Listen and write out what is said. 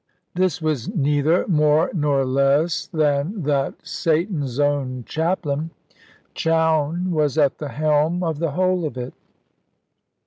This was neither more nor less than that Satan's own chaplain, Chowne, was at the helm of the whole of it.